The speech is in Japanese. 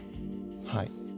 はい。